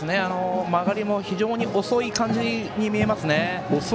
曲がりも非常に遅い感じに見えますね。